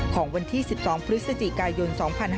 ของวันที่๑๒พฤศจิกายน๒๕๕๙